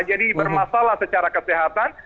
jadi bermasalah secara kesehatan